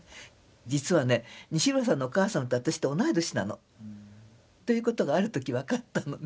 実はね西村さんのお母さんと私と同い年なの。ということがある時分かったのね。